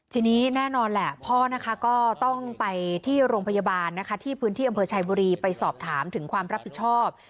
ทีนี้แน่นอนแหละพ่อนะคะก็ต้องไปที่โรงพยาบาลนะคะที่พื้นที่อำเภอชายบุรีไปสอบถามถึงความรับผิดชอบ